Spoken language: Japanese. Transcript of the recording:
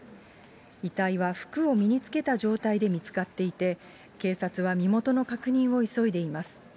遺体は服を身につけた状態で見つかっていて、警察は身元の確認を急いでいます。